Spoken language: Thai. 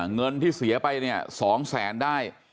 เงินที่เสียไปเนี่ย๒แสนได้